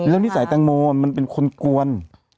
แล้วนิสัยแตงโมมันเป็นคนกวน